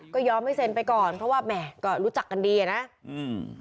ก็ยอมให้เซ็นไปก่อนเพราะว่าแหมก็รู้จักกันดีอ่ะนะอืม